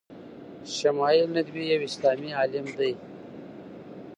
شمایل ندوی یو اسلامي علم ده